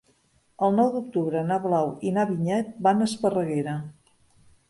El nou d'octubre na Blau i na Vinyet van a Esparreguera.